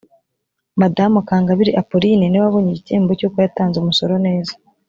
madamu kangabire appoline niwe wabonye igihembo cyuko yatanze umusoro neza